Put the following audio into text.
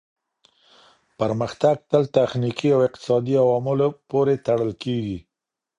پرمختګ تل تخنیکي او اقتصادي عواملو پوري تړل کیږي.